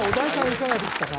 いかがでしたか？